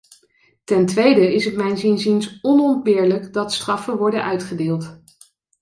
Ten tweede is het mijns inziens onontbeerlijk dat straffen worden uitgedeeld.